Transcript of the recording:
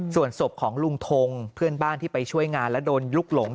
ส่วนศพของลุงทงเพื่อนบ้านที่ไปช่วยงานและโดนลุกหลง